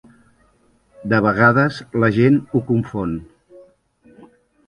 De vegades la gent ho confon.